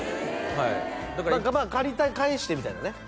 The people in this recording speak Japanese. はい借りて返してみたいなね